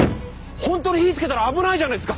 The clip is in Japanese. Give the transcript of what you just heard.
本当に火つけたら危ないじゃないですか！